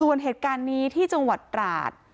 ส่วนเหตุการณ์นี้ที่จังหวัดตราด